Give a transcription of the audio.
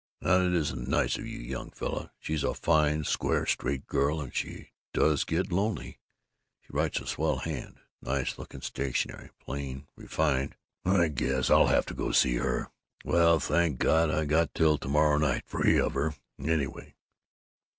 "Now that isn't nice of you, young fella. She's a fine, square, straight girl, and she does get lonely. She writes a swell hand. Nice looking stationery. Plain. Refined. I guess I'll have to go see her. Well, thank God, I got till to morrow night free of her, anyway.